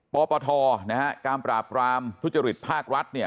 ปปทนะฮะการปราบรามทุจริตภาครัฐเนี่ย